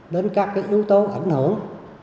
đến các yếu tố ảnh hưởng